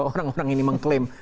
orang orang ini mengklaim